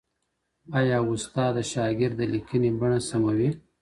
ایا استاد د شاګرد د ليکني بڼه سموي؟